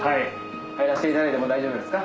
入らせていただいても大丈夫ですか？